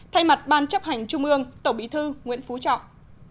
thay mặt ban chấp hành trung ương tổng bí thư nguyễn phú trọng